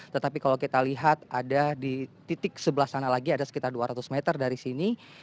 tetapi kalau kita lihat ada di titik sebelah sana lagi ada sekitar dua ratus meter dari sini